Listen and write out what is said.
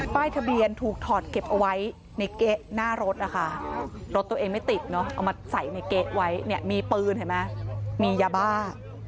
ป้ายทะเบียนถูกถอดเก็บเอาไว้ในเก๊หน้ารถรถตัวเองไม่ติดเอามาใส่ในเก๊ไว้มีปืนมียาบ้า